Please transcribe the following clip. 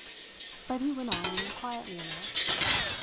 But he went on quietly enough.